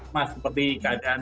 mas seperti keadaan